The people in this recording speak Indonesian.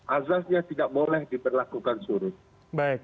azaznya tidak boleh diberlakukan suruh